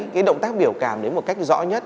cái động tác biểu cảm đến một cách rõ nhất